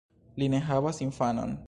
Li ne havas infanon.